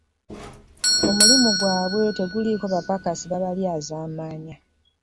Omulimu gwabwe teguliko bapakasi babalyazaamaanya.